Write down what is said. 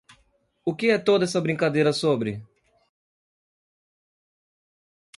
O que é toda essa brincadeira sobre?